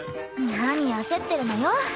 何焦ってるのよ。